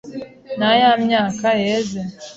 naya myaka yeze